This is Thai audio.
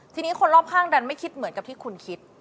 ทีนี้คนรอบข้างดันไม่คิดเหมือนกับที่คุณคิด